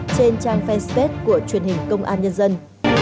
trên trang fanpage của truyền hình công an nhân dân